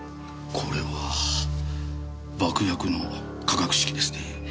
これは爆薬の化学式ですね。